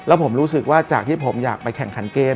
แล้วผมรู้สึกว่าจากที่ผมอยากไปแข่งขันเกม